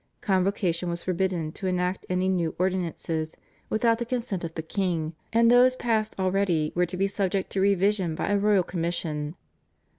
Convocation was forbidden to enact any new ordinances without the consent of the king, and those passed already were to be subject to revision by a royal commission.